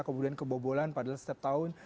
kemudian kebobolan padahal setiap tahun